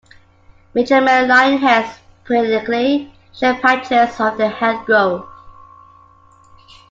Mature male lionheads periodically shed patches of their headgrowths.